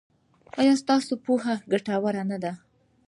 ایا ستاسو پوهه ګټوره نه ده؟